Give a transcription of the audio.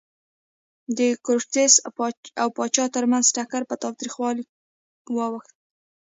د کورتس او پاچا ترمنځ ټکر پر تاوتریخوالي واوښت.